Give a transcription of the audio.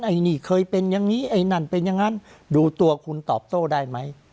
ไอ้นี่เคยเป็นอย่างนี้ไอ้นั่นเป็นอย่างนั้นดูตัวคุณตอบโต้ได้ไหม